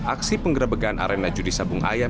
aksi penggerebekan arena judi sabung ayam